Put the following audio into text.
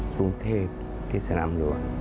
กรุงเทพฯที่สรรำรวจ